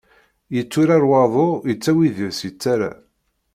Yetturar waḍu yettawi deg-s yettara.